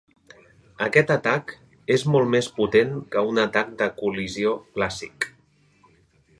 Aquest atac és molt més potent que un atac de col·lisió clàssic.